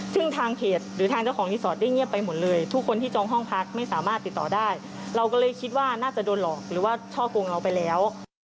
ซึ่งทางเพจหรือทางเจ้าของรีสอร์ทได้เงียบไปหมดเลยทุกคนที่จองห้องพักไม่สามารถติดต่อได้เราก็เลยคิดว่าน่าจะโดนหลอกหรือว่าช่อกงเราไปแล้ว